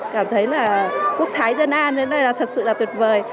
cảm thấy là quốc thái dân an như thế này là thật sự là tuyệt vời